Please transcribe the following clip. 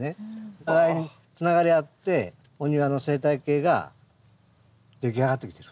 お互いにつながり合ってお庭の生態系が出来上がってきてる。